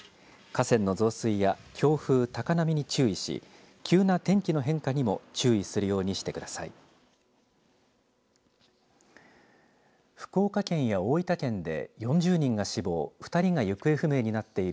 河川の増水や強風高波に注意し急な天気の変化にも注意するようにしてください。